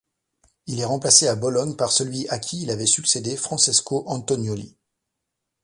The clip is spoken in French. Il est remplacé à Bologne par celui à qui il avait succédé Francesco Antonioli.